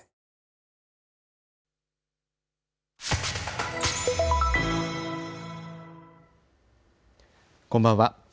こんばんは。